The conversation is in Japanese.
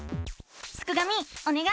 すくがミおねがい！